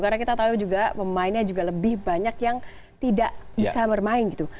karena kita tahu juga pemainnya juga lebih banyak yang tidak bisa bermain gitu